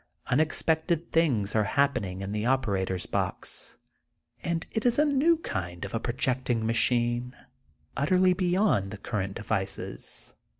Unexpected things are hap I>ening in the operator's box. And it is a new kind of a projecting machine, utterly beyond the current devices.